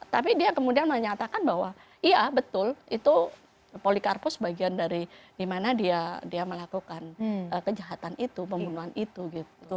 tapi dia kemudian menyatakan bahwa iya betul itu polikarpus bagian dari di mana dia melakukan kejahatan itu pembunuhan itu gitu